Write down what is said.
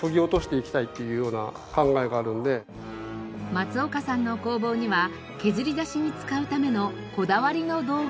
松岡さんの工房には削り出しに使うためのこだわりの道具が。